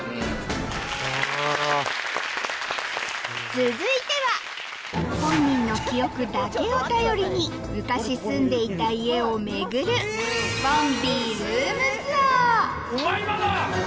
続いては本人の記憶だけを頼りに昔住んでいた家を巡るうまいまだ！